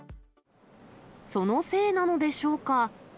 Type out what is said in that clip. そのせいなのでしょうか。